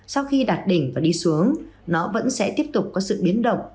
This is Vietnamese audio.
sau khi đạt đỉnh và đi xuống nó vẫn sẽ tiếp tục có sự biến động